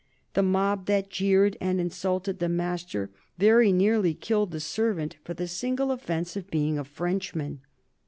The mob that jeered and insulted the master very nearly killed the servant for the single offence of being a Frenchman.